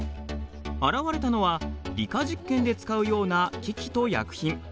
現れたのは理科実験で使うような機器と薬品。